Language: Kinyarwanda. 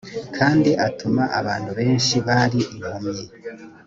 kandi atuma abantu benshi bari impumyi